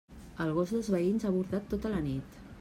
El gos dels veïns ha bordat tota la nit.